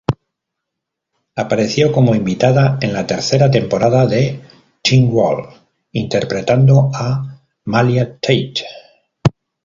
Apareció como invitada en la tercera temporada de "Teen Wolf", interpretando a Malia Tate.